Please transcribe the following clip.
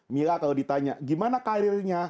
mila kalau ditanya gimana karirnya